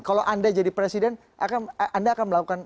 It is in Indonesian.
kalau anda jadi presiden anda akan melakukan